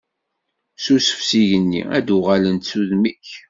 Susef s igenni, ad d-uɣalent s udem-ik.